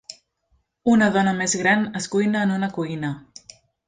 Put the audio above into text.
Una dona més gran es cuina en una cuina.